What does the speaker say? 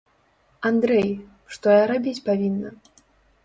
Андрэй, што я рабіць павінна?